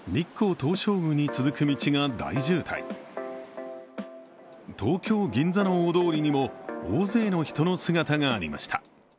東京・銀座の大通りにも大勢の人の姿がありました。